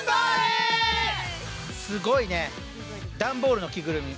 すごいねダンボールの着ぐるみ。